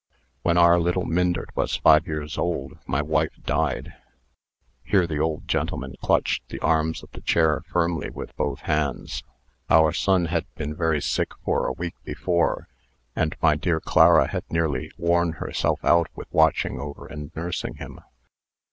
"When our little Myndert was five years old, my wife died." Here the old gentleman clutched the arms of the chair firmly with both hands. "Our son had been very sick for a week before, and my dear Clara had nearly worn herself out watching over and nursing him.